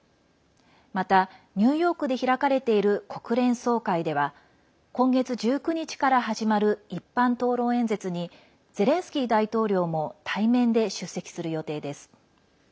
またニューヨークで開かれている国連総会では今月１９日から始まる一般討論演説にゼレンスキー大統領も対面で出席する予定です。